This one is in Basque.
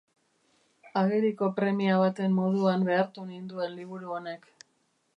Ageriko premia baten moduan behartu ninduen liburu honek.